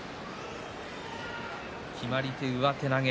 決まり手は上手投げ。